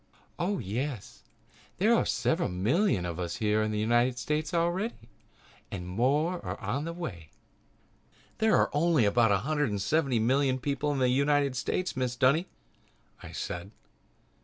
"Oh, yes, there are several million of us here in the United States already and more are on the way." "There are only about a hundred and seventy million people in the United States, Mrs. Dunny," I said.